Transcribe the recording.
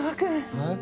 はい？